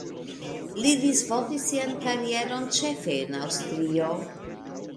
Li disvolvis sian karieron ĉefe en Aŭstrio.